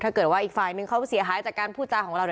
ถ้าเกิดอีกฝ่ายหนึ่งเขาเสียหายจากการพูดตามของเรา